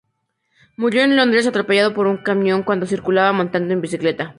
Murió en Londres, atropellado por un camión cuando circulaba montado en bicicleta.